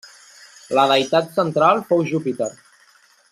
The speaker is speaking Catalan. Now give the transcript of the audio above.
La deïtat central fou Júpiter.